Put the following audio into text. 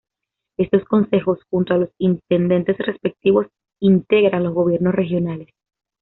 Estos consejos, junto a los intendentes respectivos, integran los gobiernos regionales.